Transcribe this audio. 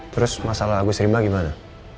terus masalah agus rimba gimana